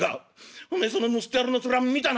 おめえその盗っ人野郎の面見たな！」。